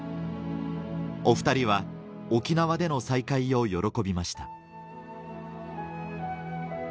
お２人は沖縄での再会を喜びました